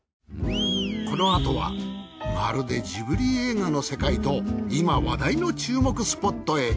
このあとはまるでジブリ映画の世界と今話題の注目スポットへ。